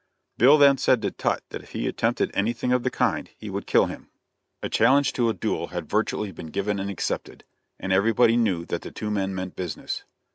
Bill then said to Tutt that if he attempted anything of the kind, he would kill him. A challenge to a duel had virtually been given and accepted, and everybody knew that the two men meant business.